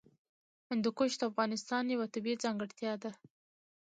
هندوکش د افغانستان یوه طبیعي ځانګړتیا ده.